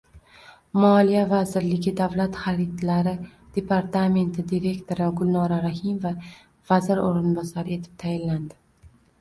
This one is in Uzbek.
Moliya vazirligi Davlat xaridlari departamenti direktori Gulnora Rahimova vazir o‘rinbosari etib tayinlandi.